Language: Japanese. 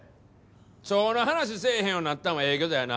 腸の話せえへんようになったんはええけどやな